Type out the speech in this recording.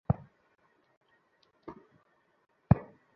আমরা video footage দেখে প্রকৃত অপরাধীদের শনাক্ত করে গ্রেপ্তারের চেষ্টা করছি।